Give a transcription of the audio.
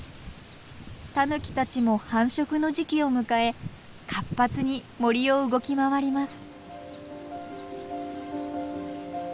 タヌキたちも繁殖の時期を迎え活発に森を動き回ります。